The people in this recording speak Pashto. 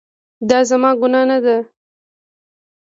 دا زما ګناه نه ده